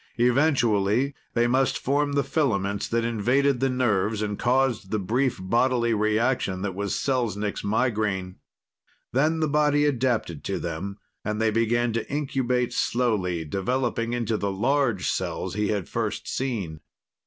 Eventually, they must form the filaments that invaded the nerves and caused the brief bodily reaction that was Selznik's migraine. Then the body adapted to them and they began to incubate slowly, developing into the large cells he had first seen.